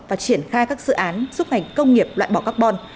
và triển khai các dự án giúp ngành công nghiệp loại bỏ carbon